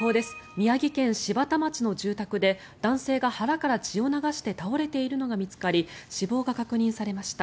宮城県柴田町の住宅で男性が腹から血を流して倒れているのが見つかり死亡が確認されました。